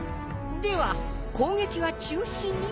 では攻撃は中止に？